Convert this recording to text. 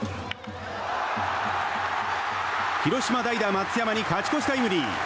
広島代打、松山に勝ち越しタイムリー。